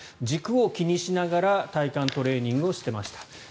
軸を気にしながら体幹トレーニングをしてました。